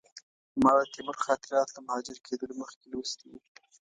ما د تیمور خاطرات له مهاجر کېدلو مخکې لوستي وو.